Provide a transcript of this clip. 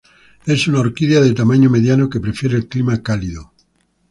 Es una orquídea de tamaño mediano, que prefiere el clima cálido.